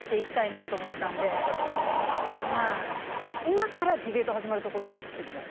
今からディベート始まるところなんですけども。